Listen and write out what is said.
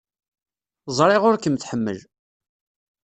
Ẓriɣ ur kem-tḥemmel.